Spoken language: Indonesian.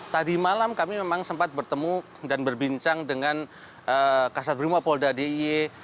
tadi malam kami memang sempat bertemu dan berbincang dengan kasus brimopolda dy